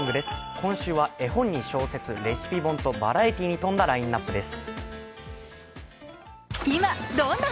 今週は絵本に小説、レシピ本とバラエティーに富んだラインナップです。